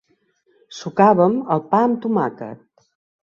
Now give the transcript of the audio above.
Sucàvem el pa amb tomàquet.